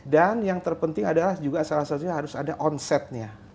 dan yang terpenting adalah juga salah satunya harus ada onsetnya